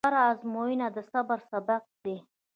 هره ازموینه د صبر سبق دی.